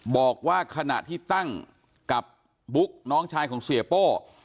บอกว่าขณะที่ตั้งกับบุ๊กน้องชายของเสียโป้